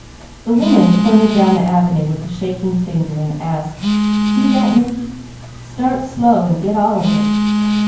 The woman pointed down the avenue with a shaking finger, and asked: "See that Mickey? Start slow and get all of it.